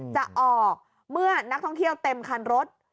จะออกเมื่อนักท่องเที่ยวเต็มคันรถ